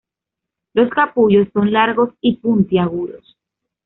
Los capullos son largos y puntiagudos.